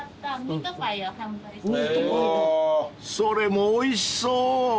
［それもおいしそう］